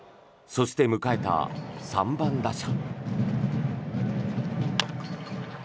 そして迎えた３番打者。